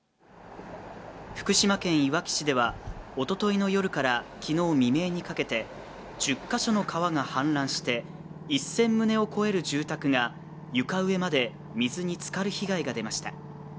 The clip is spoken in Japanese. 福島県いわき市では、おとといの夜から昨日未明にかけて、１０か所の川が氾濫して１０００棟を超える住宅が床上まで水につかる被害が出ました。